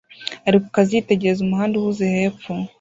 Ari kukazi yitegereza umuhanda uhuze hepfo